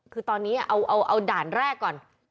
คือตอนนี้เอาด่านแรกก่อน